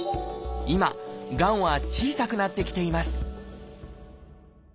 今がんは小さくなってきています